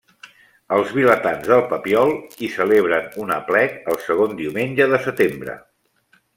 Els vilatans del Papiol hi celebren un aplec el segon diumenge de setembre.